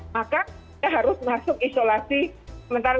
maka dia harus masuk isolasi sementara